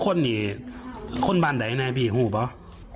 ๖คนนี่คนบ้านใดพี่หูปะ